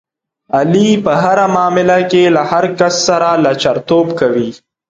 علي په هره معامله کې له هر کس سره لچرتوب کوي.